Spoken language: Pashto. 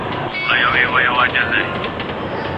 سترګي يې توري